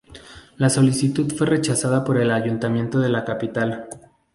La solicitud fue rechazada por el ayuntamiento de la capital.